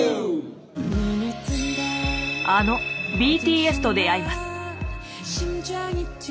あのＢＴＳと出会います。